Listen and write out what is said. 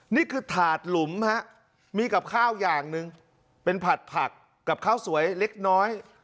นี่คือถาดหลุมฮะมีกับข้าวอย่างหนึ่งเป็นผัดผักกับข้าวสวยเล็กน้อย